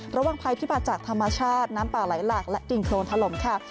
ระวังภัยที่มาจากธรรมชาติน้ำป่าไหลหลากและดินโครนถล่มค่ะ